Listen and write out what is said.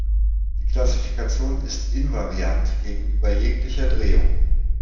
Die Klassifikation ist invariant gegenüber jeglicher Drehung.